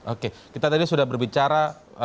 oke kita tadi sudah berbicara